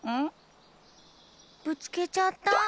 ぶつけちゃった！